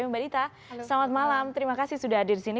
mbak dita selamat malam terima kasih sudah hadir disini